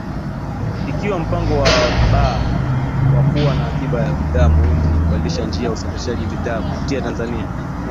Ikiwa na mpango B wa kuwa na akiba ya bidhaa muhimu na kubadilisha njia usafarishaji bidhaa kupitia Tanzania